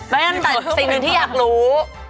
แล้วอย่างนั้นแต่สิ่งหนึ่งที่อยากรู้